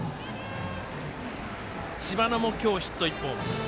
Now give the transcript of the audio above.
知花も今日ヒット１本。